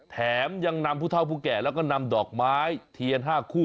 แถมยังนำผู้เท่าผู้แก่แล้วก็นำดอกไม้เทียน๕คู่